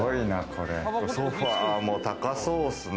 ソファも高そうっすね。